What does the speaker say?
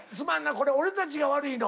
これ俺たちが悪いの。